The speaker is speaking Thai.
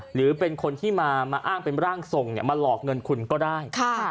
หรือเป็นคนที่มาอ้างเป็นร่างทรงมาหลอกเงินคุณก็ได้